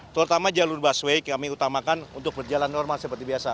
terutama jalur busway kami utamakan untuk berjalan normal seperti biasa